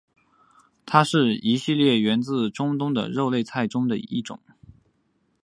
它是一系列源自中东的肉类菜中的一种。